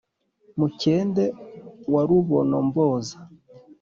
mukende wa rubomboza